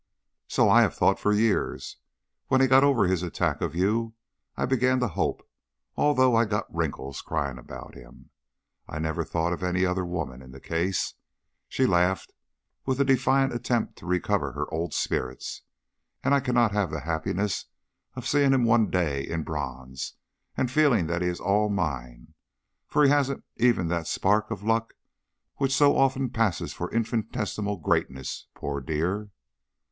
"So I have thought for years! When he got over his attack of you, I began to hope, although I'd got wrinkles crying about him. I never thought of any other woman in the case." She laughed, with a defiant attempt to recover her old spirits. "And I cannot have the happiness of seeing him one day in bronze, and feeling that he is all mine! For he hasn't even that spark of luck which so often passes for infinitesimal greatness, poor dear!"